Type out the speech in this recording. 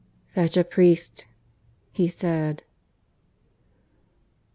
"Fetch a priest," he said.